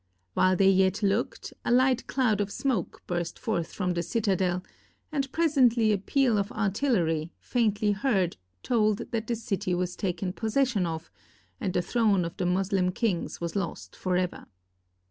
While they yet looked, a light cloud of smoke burst forth from the citadel, and presently a peal of artillery, faintly heard, told that the city was taken possession of, and the throne of the Moslem kings was lost forever.